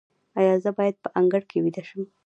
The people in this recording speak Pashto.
ایا زه باید په انګړ کې ویده شم؟